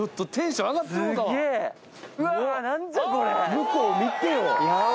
向こう見てよ。